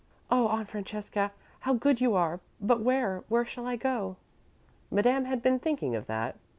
"Oh, Aunt Francesca, how good you are! But where? Where shall I go?" Madame had been thinking of that.